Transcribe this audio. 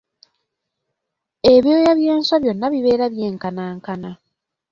Ebyoya by’enswa byonna bibeera byenkanankana.